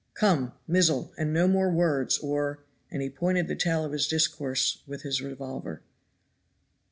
Come, mizzle, and no more words, or " and he pointed the tail of his discourse with his revolver.